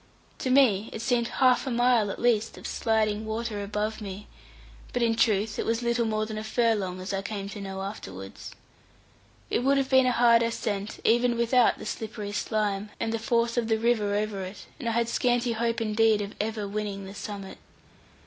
To me it seemed half a mile at least of sliding water above me, but in truth it was little more than a furlong, as I came to know afterwards. It would have been a hard ascent even without the slippery slime and the force of the river over it, and I had scanty hope indeed of ever winning the summit.